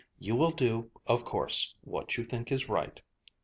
You will do, of course, what you think is right.